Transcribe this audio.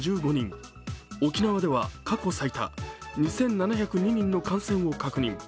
沖縄では過去最多２７０２人の感染を確認。